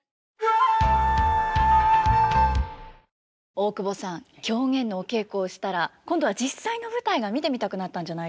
大久保さん狂言のお稽古をしたら今度は実際の舞台が見てみたくなったんじゃないですか？